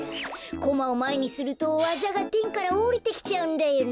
コマをまえにするとわざがてんからおりてきちゃうんだよね。